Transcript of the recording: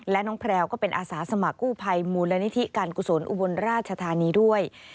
และน้องแพลวก็เป็นอาสาสมัครกู้ภัยมูลนิธิการกุศลอุบลราชธานีด้วย